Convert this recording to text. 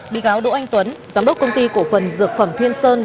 bị cáo đỗ anh tuấn giám đốc công ty cổ phần dược phẩm thiên sơn